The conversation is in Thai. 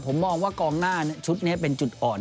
ผมมองว่ากองหน้าชุดนี้เป็นจุดอ่อน